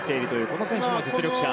この選手も実力者。